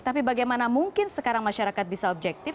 tapi bagaimana mungkin sekarang masyarakat bisa objektif